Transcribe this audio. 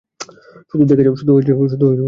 শুধু দেখে যাও।